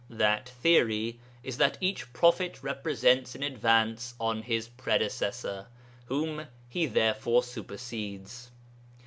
That theory is that each prophet represents an advance on his predecessor, whom he therefore supersedes.